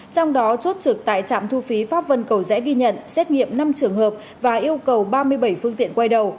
trong đó chốt trực tại trạm thu phí pháp vân cầu rẽ ghi nhận xét nghiệm năm trường hợp và yêu cầu ba mươi bảy phương tiện quay đầu